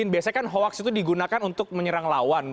biasanya kan hoax itu digunakan untuk menyerang lawan